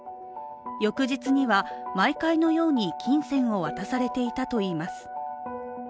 翌日には、毎回のように金銭を渡されていたといいます。